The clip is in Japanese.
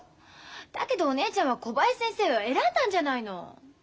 だけどお姉ちゃんは小林先生を選んだんじゃないの。